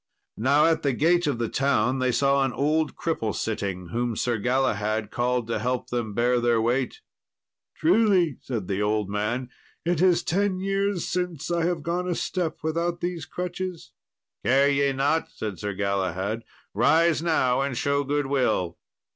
Now at the gate of the town they saw an old cripple sitting, whom Sir Galahad called to help them bear their weight. "Truly," said the old man, "it is ten years since I have gone a step without these crutches." "Care ye not," said Sir Galahad; "rise now and show goodwill."